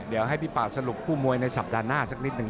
เดี๋ยวให้พี่ป่าสรุปคู่มวยในสัปดาห์หน้าสักนิดหนึ่ง